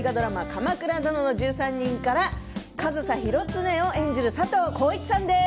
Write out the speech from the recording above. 「鎌倉殿の１３人」から上総広常を演じている佐藤浩市さんです